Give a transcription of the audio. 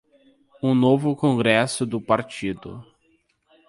um novo Congresso do Partido